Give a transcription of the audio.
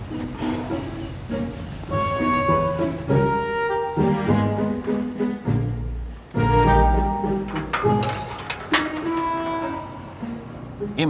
nah di sini